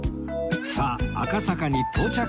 さあ赤坂に到着です